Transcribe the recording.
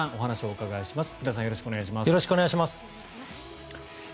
お願いします。